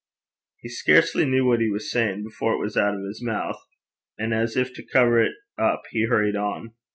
He scarcely knew what he was saying before it was out of his mouth; and as if to cover it up, he hurried on.